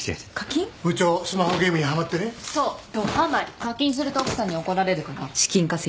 課金すると奥さんに怒られるから資金稼ぎ。